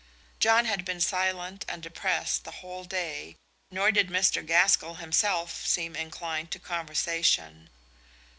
John had been silent and depressed the whole day, nor did Mr. Gaskell himself seem inclined to conversation.